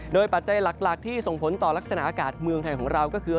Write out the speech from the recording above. โดยปัจจัยหลักที่ส่งผลต่อลักษณะอากาศเมืองไทยของเราก็คือ